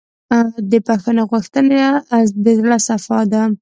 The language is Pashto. د بښنې غوښتنه د زړۀ صفا ده.